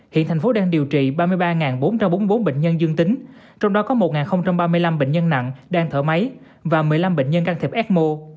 hiện thành phố đang điều trị ba mươi ba bốn trăm bốn mươi bốn bệnh nhân dương tính trong đó có một ba mươi năm bệnh nhân nặng đang thở máy và một mươi năm bệnh nhân can thiệp ecmo